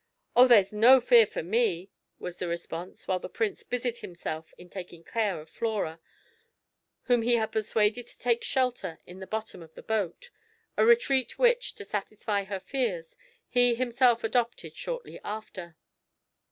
"Oh, there's no fear for me!" was the response, while the Prince busied himself in taking care of Flora, whom he had persuaded to take shelter in the bottom of the boat, a retreat which, to satisfy her fears, he himself adopted shortly after.